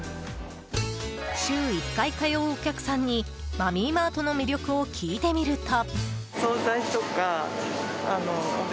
週１回通うお客さんにマミーマートの魅力を聞いてみると。